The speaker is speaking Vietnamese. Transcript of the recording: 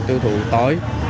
tiêu thụ tỏi